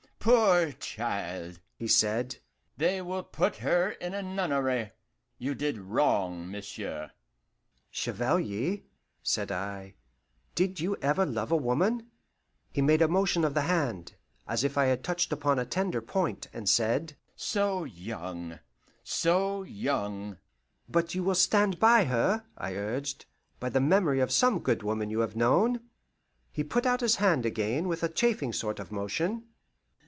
poor child!" he said; "they will put her in a nunnery. You did wrong, monsieur." "Chevalier," said I, "did you ever love a woman?" He made a motion of the hand, as if I had touched upon a tender point, and said, "So young, so young!" "But you will stand by her," I urged, "by the memory of some good woman you have known!" He put out his hand again with a chafing sort of motion.